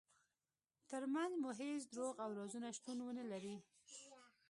ترمنځ مو هیڅ دروغ او رازونه شتون ونلري.